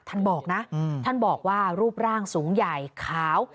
ท่านบอกนะท่านบอกว่ารูปร่างสูงใหญ่ขาว